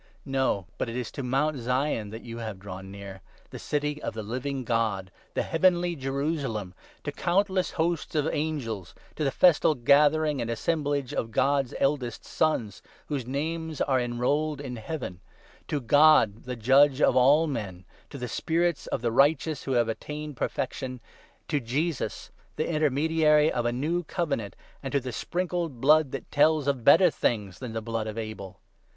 No, but it is to Mount Zion that 22 you have drawn near, the City of the Living God, the heavenly Jerusalem, to countless hosts of angels, to the festal 23 gathering and assemblage of God's Eldest Sons whose names are enrolled in Heaven, to God the Judge of all men, to the spirits of the righteous who have attained perfection, to Jesus, the intermediary of a new Covenant, 24 and to the Sprinkled Blood that tells of better things than the blood of Abel.